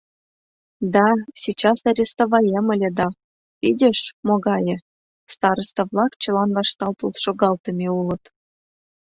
— Да, сейчас арестоваем ыле да, видишь, могае... староста-влак чылан вашталтыл шогалтыме улыт.